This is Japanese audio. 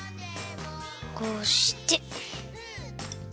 こうして。